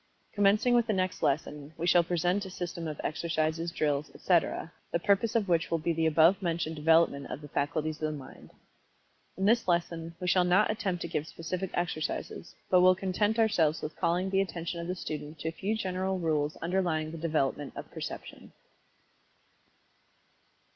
Commencing with the next lesson, we shall present a system of exercises, drills, etc., the purpose of which will be the above mentioned development of the faculties of the Mind. In this lesson we shall not attempt to give specific exercises, but will content ourselves with calling the attention of the student to a few general rules underlying the development of Perception.